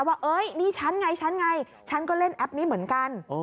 เอ้ยนี่ฉันไงฉันไงฉันก็เล่นแอปนี้เหมือนกัน